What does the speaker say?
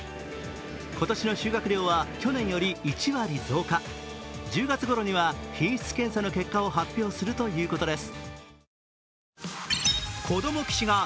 今年の収穫量は去年より１割増加１０月ごろには品質検査の結果を発表するということです。